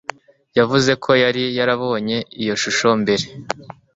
Yavuze ko yari yarabonye iyo shusho mbere